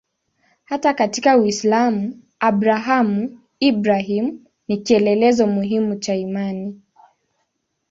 Hata katika Uislamu Abrahamu-Ibrahimu ni kielelezo muhimu cha imani.